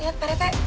lihat pak rete